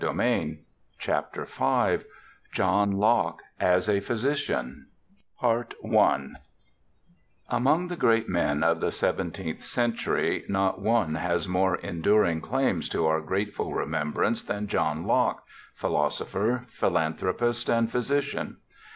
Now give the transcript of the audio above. F 2 68 JOHN LOCKE AS A PHYSICIAN^ Among the great men of the seventeenth century not one has more enduring claims to our grateful remem brance than John Locke — philosopher, philanthropist, and physician.